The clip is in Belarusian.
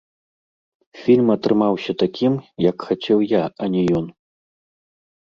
Фільм атрымаўся такім, як хацеў я, а не ён.